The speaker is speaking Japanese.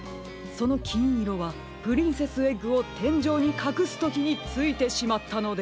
そのきんいろはプリンセスエッグをてんじょうにかくすときについてしまったのでは。